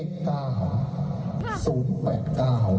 ตอนแรกเป็น๘แล้วก็๐แล้วก็๙